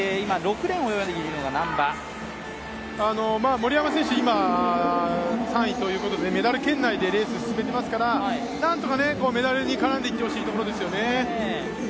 森山選手、今、３位ということでメダル圏内でレースを進めていますからなんとかメダルに絡んでいってほしいところですよね。